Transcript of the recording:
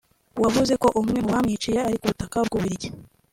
wavuze ko umwe mu bamwiciye ari ku butaka bw’u Bubiligi